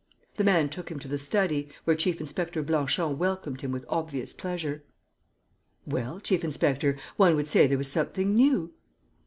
The man took him to the study, where Chief inspector Blanchon welcomed him with obvious pleasure. "Well, chief inspector, one would say there was something new?"